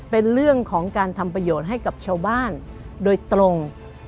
เป็นเรื่องของการทำประโยชน์ให้กับชาวบ้านโดยตรง